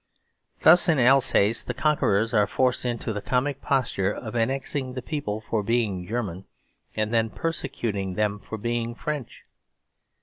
Thus in Alsace the conquerors are forced into the comic posture of annexing the people for being German and then persecuting them for being French.